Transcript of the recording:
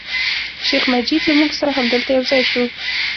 شیخ مجید له موږ سره همدلته یو ځای شو.